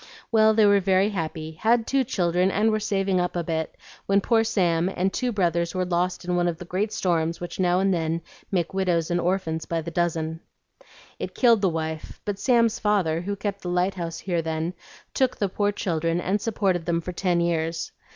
Well, they were very happy, had two children, and were saving up a bit, when poor Sam and two brothers were lost in one of the great storms which now and then make widows and orphans by the dozen. It killed the wife; but Sam's father, who kept the lighthouse here then, took the poor children and supported them for ten years.